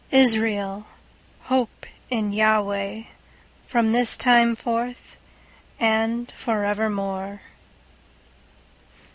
131:003 Israel, hope in Yahweh, from this time forth and forevermore.